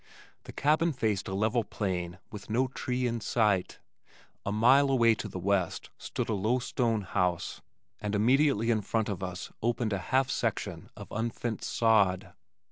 The cabin faced a level plain with no tree in sight. A mile away to the west stood a low stone house and immediately in front of us opened a half section of unfenced sod.